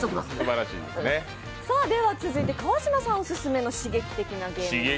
続いて、川島さんオススメの刺激的なゲーム。